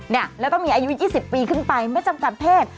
เนี่ยแล้วก็มีอายุ๒๐ปีขึ้นไปไม่จำกัดเพศ